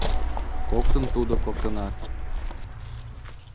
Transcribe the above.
Коктын тудо коктынак